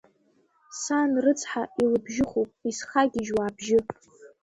Сан рыцҳа илыбжьыхуп, исхагьежьуа абжьы.